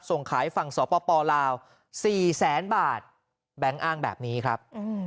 ส่งขายฝั่งสพปลาวได้๔๐๐๐๐๐บาทแบ่งอ้างแบบนี้ครับ